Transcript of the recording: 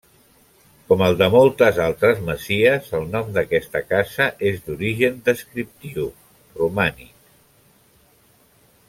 Com el de moltes altres masies, el nom d'aquesta casa és d'origen descriptiu, romànic.